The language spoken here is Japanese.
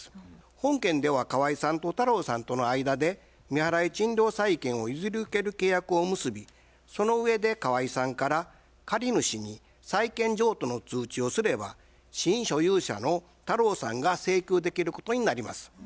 本件では河井さんと太郎さんとの間で未払い賃料債権を譲り受ける契約を結びそのうえで河井さんから借主に債権譲渡の通知をすれば新所有者の太郎さんが請求できることになります。